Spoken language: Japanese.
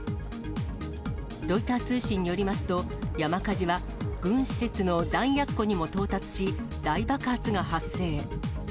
ロイター通信によりますと、山火事は軍施設の弾薬庫にも到達し、大爆発が発生。